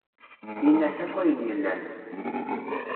Ini-as akk ayen yellan.